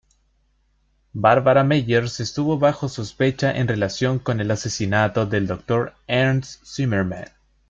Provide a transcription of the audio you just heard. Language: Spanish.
Barbara Meyer estuvo bajo sospecha en relación con el asesinato del Dr. Ernst Zimmermann.